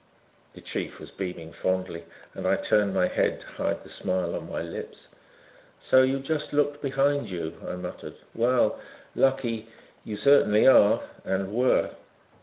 The chief was beaming fondly and I turned my head to hide the smile on my lips. "So you just looked behind you," I muttered. "Well, Lucky, you certainly are and were."